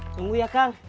tunggu ya kang